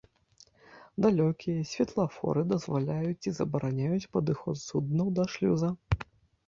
Далёкія святлафоры дазваляюць ці забараняюць падыход суднаў да шлюза.